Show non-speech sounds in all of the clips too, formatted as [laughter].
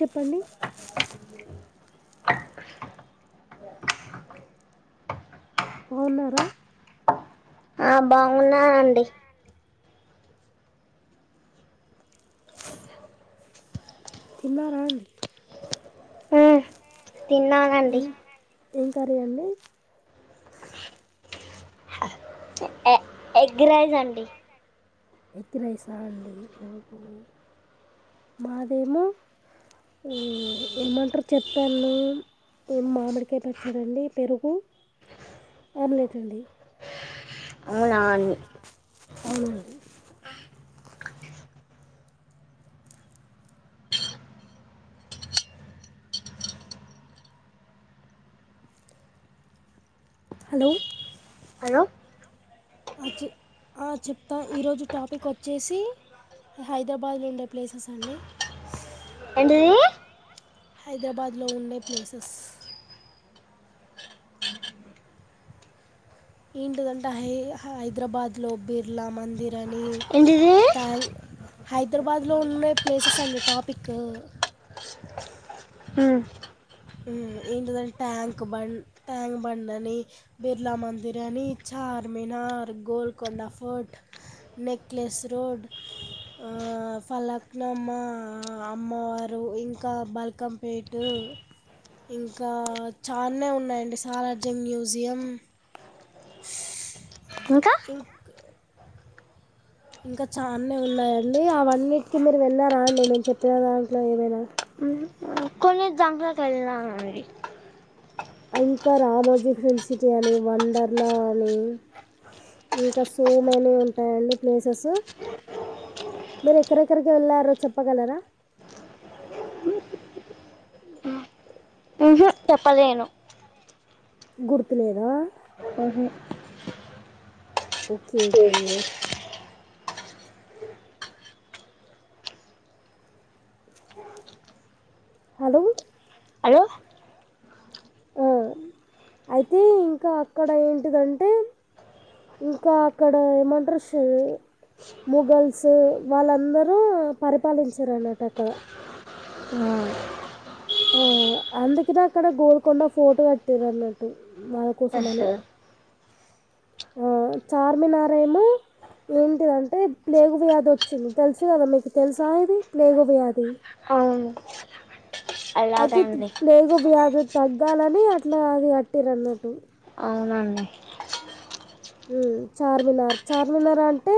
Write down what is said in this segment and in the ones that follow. చెప్పండి బౌన్నారా ఆ బాగున్నానండి తిన్నార అండి మ్మ్, ఏం తిన్నానండి ఏం కర్రీ అండి ఎ ఎ ఎగ్ రైస్ అండి ఎగ్ రైసా అండి ఓహో [inaudible] మాదేమో ఏమంటారు చెప్పాను ఏం మామిడికాయ పచ్చడండి పెరుగు ఆమ్లెట్ అండి నాని అవునండి హలో హలో అ చె ఆ చెప్తా ఈరోజు టాపిక్ ఓచ్చేసి హైద్రాబాద్లో ఉండే ప్లేసెస్ అండి ఏంటిది హైదరాబాద్లో ఉండే ప్లేసెస్ ఏంటిదంటే హై-హైదరాబాద్లో బిర్లా మందిర్ అని ఏంటిది ట్యాంక్ హైదరాబాద్లో ఉండే ప్లేసెస్ అండి టాపిక్ ఉ ఉమ్ ఎంటిదంటే ట్యాంక్ బండ్ ట్యాంక్ బండని బిర్లా మందిరన్ని, Charminar, Golconda Fort Necklace Road Falaknuma అమ్మవారు ఇంకా బల్కంపేటు ఇంకా చాలానే ఉన్నాయండి సాలార్జంగ్ మ్యూజియం ఇంకా ఇంక్ ఇంకా చాలానే ఉన్నాయండి అవన్నింటికి మీరు వెళ్ళారా అండి నేను చెప్పిన దాంట్లో ఏమైనా మ్మ్, కొన్ని [inaudible] ఇంకా రామోజీ ఫిలిం సిటీ అని వండర్లా అని ఇంకా సోమేని ఉంటాయండి ప్లేసెస్ మీరు ఎక్కడెక్కడికి వెళ్ళారో చెప్పగలరా మ్మ్హ్మ్, చెప్పలేను గుర్తులేదా ఉహు ఓకే ఓకే హలో అలో అ అయితే ఇంకా అక్కడ ఏంటిదంటే ఇంకా అక్కడ ఏమంటారు షో మోగల్స్ వాళ్ళందరూ పరిపాలించారు అన్నట్ అక్కడ ఉ అ అందుదాకా అక్కడ గోల్కొండ ఫోటో కట్టేరు అన్నట్టు మన ఎస్ కోసమని సార్. ఆ చార్మినార్ ఏమో ఏంటిదంటే ప్లేగు వ్యాధి వచ్చింది తెలుసు కదా మీకు తెలుసా ఇది ప్లేగు వ్యాధి అవును అయితే తీ అలాగండి ప్లేగు వ్యాధి తగ్గాలని అట్లా అది కట్టిరూ అన్నట్టు అవునండి ఉ చార్మినార్ చార్మినార్ అంటే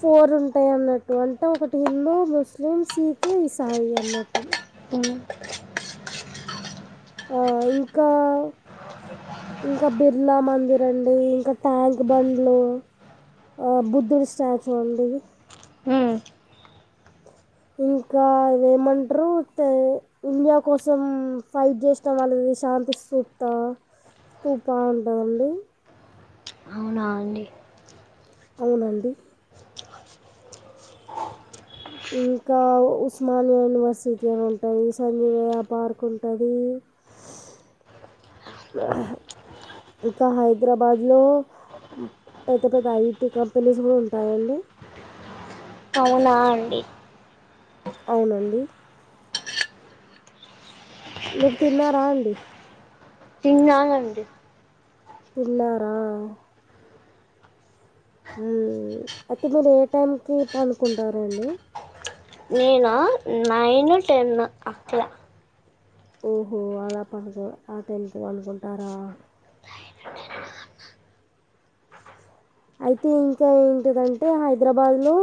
ఫోర్ ఉంటాయి అన్నట్టు అంటే ఒకటి హిందూ, ముస్లిం, సిఖ్, ఇసాయి అన్నట్టు ఆ ఆ ఇంకా ఇంకా బిర్లా మందిర్ అండి ఇంకా ట్యాంక్ బండ్లు ఆ బుద్ధుడు స్టాచూ అండి హు ఇంకా ఏమంటరూ తే ఇండియా కోసం ఫైట్ జస్ తం వాళ్ళది శాంతి సూప్త తుప ఉంటుందండి. అవునా అండి అవునండి ఇంకా ఉస్మానియా యూనివర్సిటీ అని ఉంటది, సంజీవయ్య పార్క్ ఉంటది ఆ ఇక హైద్రాబాద్ లో పెద్ద పెద్ద ఐటీ కంపెనీస్ గుడ ఉంటయండి అవునా అండి అవునండి మీర్ తిన్నారా అండి? తిన్నానండి తిన్నారా ఉమ్ అయితే మీరు ఏ టైంకి పండుకుంటారండి? నేనా నైను, టెన్ను అట్లా ఓహో అలా పడుకో ఆ టైంకీ పండుకుంటారా? అయితే ఇంక ఏంటిదంటే హైద్రాబాద్ లో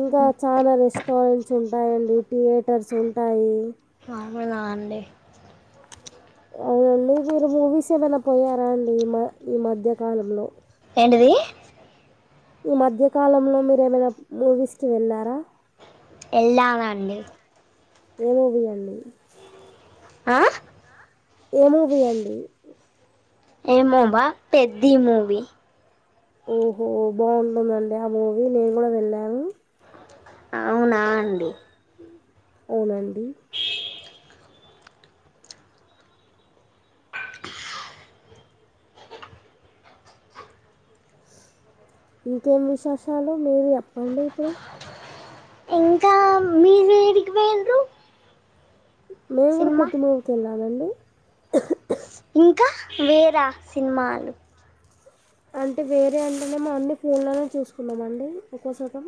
ఇంకా చాలా రెస్టారెంట్స్ ఉంటాయండి, థియేటర్స్ ఉంటాయి. నార్మలా అండి? అవునండి మీరు మూవీస్ ఏమైనా పోయారా అండి, ఈ మ ఈ మధ్యకాలంలో ఏంటిది ఈ మధ్య కాలంలో మీరు ఏమైనా మూవీస్కి వెళ్ళారా? ఎల్లామండి ఏ మూవి అండి? ఆ ఏ మూవీ అండి? ఏమో బా పెద్ది మూవీ. ఓహో బాగుంటుందండి ఆ మూవీ, నేను వెళ్ళాను. అవునా అండి అవునండి ఇంకేం విశేషాలు మీరు ఎప్పండి ఐతే ఇంకా మీరేడికి పోయిండ్రు మేము గుడా పెద్ది మూవీకెళ్ళానండి. ఇంక వేర సినిమాలు అంటే వేరే అంటేనేమో అన్ని ఫోన్లోనే చూసుకున్నమండి ఎక్కో శాతం.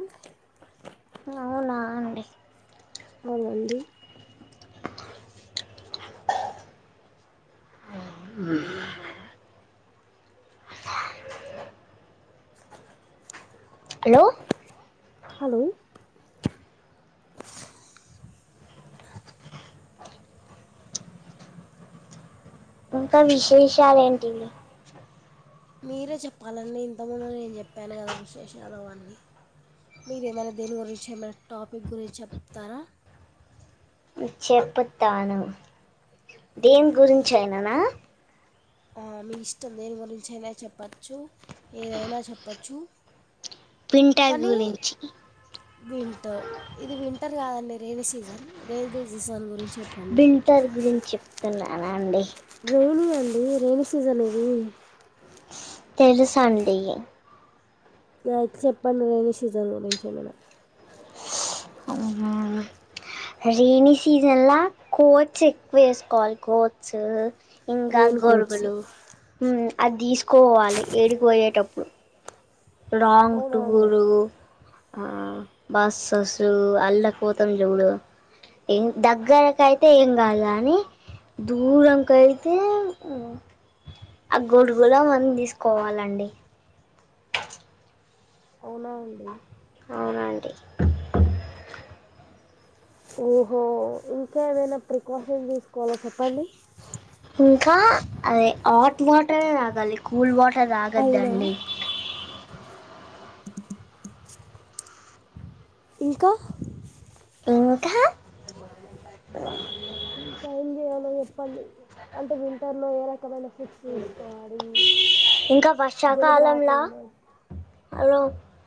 అవునా అండి అవునండి హలో హలో ఇంకా విశేషాలేంటివి? మీరే చెప్పాలండి, ఇంతముందు నేను చెప్పాను కదా విశేష అవన్నీ మీరు ఏమైనా దేని గురించి ఏమైనా టాపిక్ గురించి చెప్తారా? చెపుతాను, దేని గురించి అయిననా? ఆ మీ ఇష్టం దేని గురించి అయినా చెప్పచ్చు, ఏదైనా చెప్పచ్చు. వింటర్ కనీ గురించి వింటర్ ఇది వింటర్ కాదండి రెయినీ సీజన్, రేనీ సీజన్ గురించి చెప్ వింటర్ గురించి చెప్తున్నానండి. రైనీ అండి రైనీ సీజన్ ఇది తెలుసండి అయితే చెప్పండి రెనీ సీజన్ గురించి ఏమైనా అవున రైనీ సీజన్ల కోట్స్ ఎక్కువ వేసుకోవాలి కోట్స్ ఇంక రెయిన్ కోట్స్ గొరుగులు మ్ అది తీసుకోవాలి ఏడికిపోయేటప్పుడు లాంగ్ అవునా అండి టూరు ఆ బస్ససు అల్ళపోతాం చూడు ఏం దగ్గరకయితే ఏం కాదు కాని దూరంకు అయితే మ్ ఆ గొడుగులో మనం తీసుకోవాలండి అవునా అండి అవునండి ఓహో ఇంకా ఏదైనా ప్రికాషన్ తీసుకోవాలా చెప్పండి ఇంకా అదే హాట్ వాటర్ తాగాలి కూల్ వాటర్ అవునా తాగద్దండి ఇంకా ఇంకా ఇంకా ఏంచేయలేదు పని అంటే వింటర్లో ఏ రకమైన ఫుడ్స్ తీసుకోవాలి ఇంకా జలుబు వర్షాకాలంలా రాకుండా హలో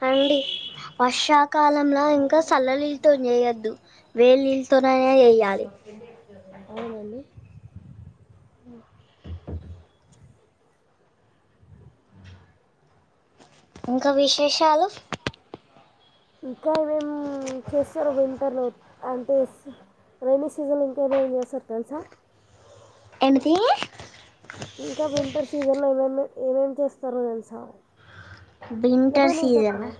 అండి వర్షాకాలంలా ఇంకా సళ్ల లిల్తోన్ చేయొద్దు వేడ్ లిల్తోనైన చెయ్యాలి అవునండి ఉ ఇంకా విశేషాలు ఇంకా వేం చేస్తారు వింటర్లో అంటే స్ రైనీ సీజన్లో ఇంకేమేం చేసర్ తెల్సా ఎన్ తీ ఇంకా వింటర్ సీజన్లో ఏమేమి ఏమేం చేస్తారో తెలుసా లేకపోతే వింటర్ నేను సీజనా చెప్పనా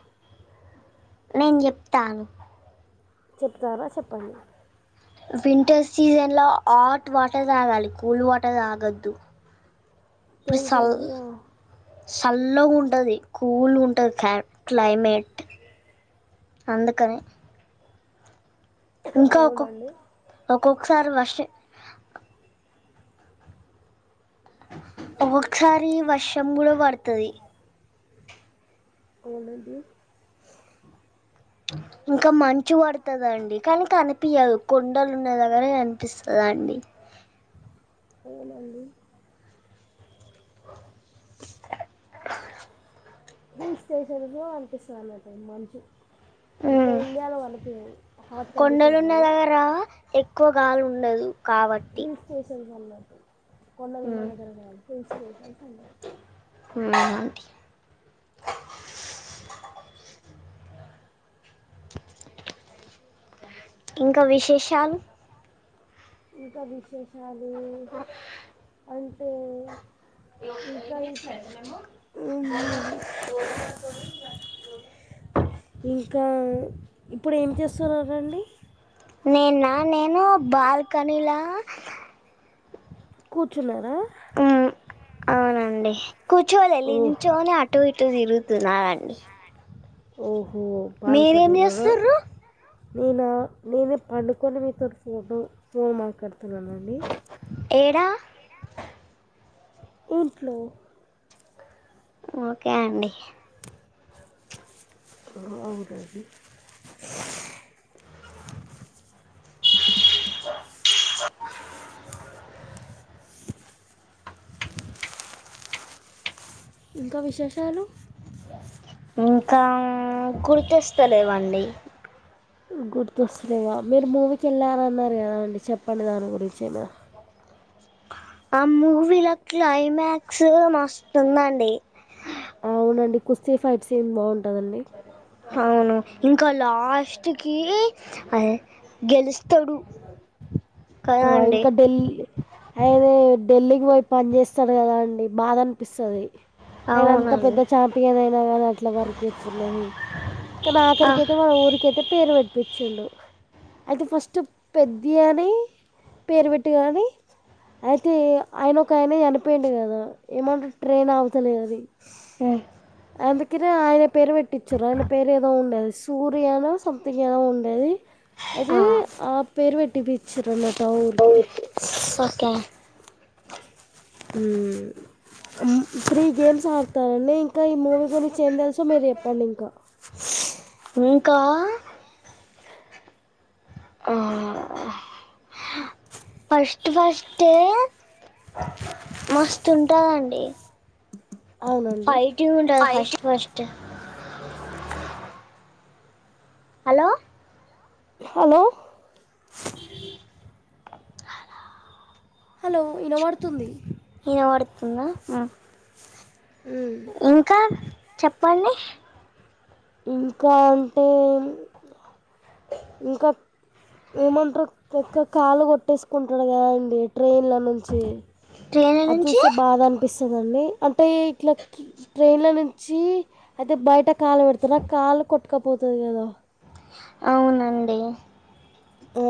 నేను చెప్తా ఆగు చెప్తారా చెప్పండి వింటర్ సీజన్లో హాట్ వాటర్ తాగాలి కూల్ వాటర్ తాగొద్దు ప్రిసల్ తెలుసండి చల్లగా ఉంటది కూల్ ఉంటది క్లా క్లైమేట్ అందుకనే ఇంకా ఒక్కొక్ అవునండి ఒక్కొక్కసారి వర్ష ఒకొక్కసారి వర్షం లో పడతది అవునండి ఇంకా మంచు పడతందండి కానీ కనిపియదు కొండలు ఉన్న దగ్గరే కనిపిస్తాదండి అవునండి హిల్స్ స్టేషన్ ఇదో అనిపిస్తాదనట్టు మంచు ఇంకా ఉమ్. ఇండియాలో కనిపిదు హాట్ కొండలు కండిషన్స్ ఉన్న వల్ల దగ్గర ఎక్కువ గాలి ఉండదు కాబట్టి స్టేషన్కు అన్నట్టు కొండలు ఉన్నా ఉమ్. దగ్గరనే హిల్స్ స్టేషన్ అంటర్ ఉమ్ ఇంక విశేషాలు ఇంకా విశేషాలూ అన్ ఇంకా ఉహు ఇంకా ఇప్పుడు ఏం చేసున్నారండి నేన్న నేను బాల్కనీలా కూర్చున్నారా ఉ అవునండి కూర్చోలే ఓహ్ లించోనే అటు ఇటు తిరుగుతున్నానండి ఓహో మీరేం చేస్తుర్రు నేన నేను పండుకోని మీతోటి ఫోను ఫోన్ మాట్లాడుతున్నానండి ఏడా ఇంట్లో ఓకే అండి అ అవునండి ఇంకా విశేషాలు ఇంకా గుర్తొస్తలేవండి గుర్తొస్తలేవా మీరు మూవీకి వెళ్ళారన్నారు కదా అండి చెప్పండి దాని గురించైనా అమూవీల క్లైమాక్సు మస్తుందండి అవునండి కుస్తీ ఫైట్స్ సీన్ బావుంటదండి హవును ఇంకా లాస్ట్ కీ అదే గెలుస్తడు ఆ ఇంకా ఢెల్ ఆయినే ఢిల్లీకి పోయి పని చేేస్తాడు కదా అండి బాధ అనిపిస్తది ఆయన అంత అవునండి పెద్ద చాంపియన్ అయినా గాని అట్లా వర్క్ ఏత్తున్నది కాని ఆ, ఆకరికైతే వాల ఊరికైతే పేరు వెట్ [unintelligible] ఛ్చిండు అయితే ఫస్ట్ పెద్ది అని పేరు పెట్టి గాని అయితే ఆయన ఒక ఆయన చనిపోయిండు కదా ఏమంటురు ట్రైన్ ఆగుతలే అది ఆ అందుకెనే ఆయన పేరు పెట్టిచిర్రు ఆయన పేరు ఏదో ఉండేది సూరి అనో సమ్థింగ్ ఏదో ఉండేది అదీ ఆ, ఆ పేరు పెట్టి పిచ్చిర్ అనమాట ఊరికి ఓకే ఉమ్ త్రీ గేమ్స్ ఆడ్తరాండి ఇంకా ఈ మూవీ గురించి ఏం తెలుసో మీరు చెప్పండి ఇంకా ఇంకా ఆ ఆ ఫస్ట్ ఫస్టే మస్తుంటదండి అవునండి ఫైటింగ్ ఉంటాద్ first first hello hello hello ఇనబడ్తుంది ఇనవడ్తుందా ఉమ్ ఉ ఇంకా చెప్పండీ ఇంకా అంటే ఇంకోప్ ఏమంట్రు ఎక్కువ కాళ్లు కొట్టేసుకుంటడు కదా అండి ట్రైన్ల నుంచీ ట్రైన్ అది నుంచి చూస్తే బాధ అనిపిస్సదండి అంటే ఇట్లప్ ట్రైన్ల నుంచీ అయితే బయట కాళ్లు పెడ్తరు కాళ్లు కొట్టుకపోతది కదా అవునండీ ఊ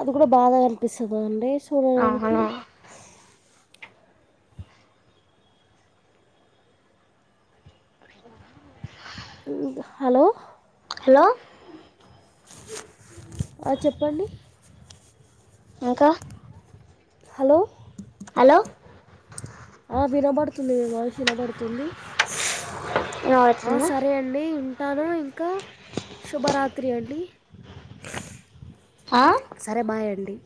అది కూడ బాధగా అనిపిస్సదండీ చూడడానికి అవును హలో హలో ఆ చెప్పండీ ఇంకా హలో హలో ఆ వినబడుతుంది మీ వాయిస్ వినబడుతుంది ఆ వినపడుతుందా సరే అండి ఇంక్ టనూ ఇంకా శుభరాత్రి అండీ ఆ సరే బాయ్ అండీ